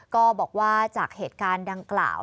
ก็บอกว่าจากเหตุการณ์ดังกล่าว